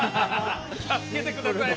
「助けてください！」